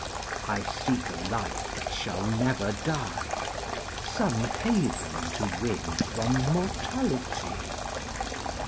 I seek a Life that shall never die, Some haven to winFrom mortality.